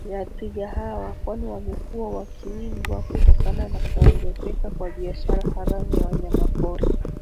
ya twiga hawa kwani wamekuwa wakiwindwa kutokana na kuongezeka kwa biashara haramu ya wanyamapori